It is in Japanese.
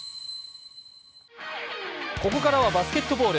ここからはバスケットボール。